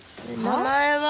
名前は？